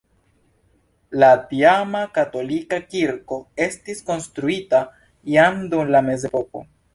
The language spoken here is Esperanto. La tiama katolika kirko estis konstruita iam dum la mezepoko.